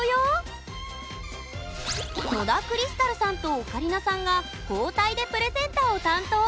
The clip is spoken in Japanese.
野田クリスタルさんとオカリナさんが交代でプレゼンターを担当。